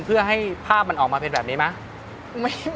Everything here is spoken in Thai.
เพื่อให้ภาพมันออกมาเป็นแบบนี้ไหม